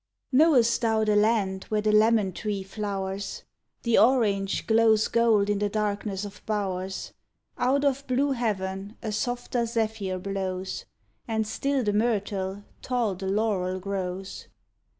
Know'st thou the land where the lemon tree flowers; The orange glows gold in the darkness of bowers, Out of blue heaven a softer zephyr blows, And still the myrtle, tall the laurel grows?